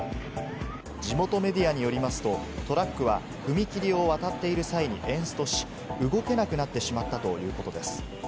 地元メディアによりますと、トラックは踏切を渡っている際にエンストし、動けなくなってしまったということです。